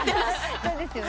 そうですよね。